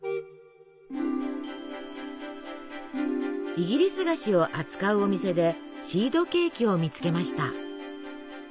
イギリス菓子を扱うお店でシードケーキを見つけました。